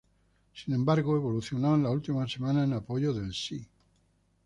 Sin embargo evolucionó en la última semana en apoyo del "sí".